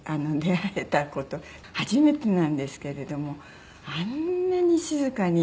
初めてなんですけれどもあんなに静かに。